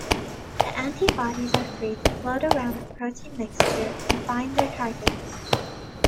The antibodies are free to float around the protein mixture and bind their targets.